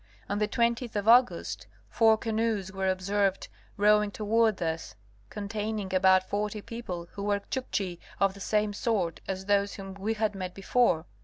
On the 20th of August four canoes were observed rowing toward us, containing about forty people who were Chukchi of the same sort as those whom we had met before.